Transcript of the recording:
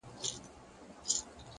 اخلاق د انسان خاموش شهرت دی.